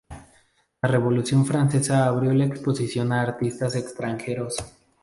La Revolución francesa abrió la exposición a artistas extranjeros.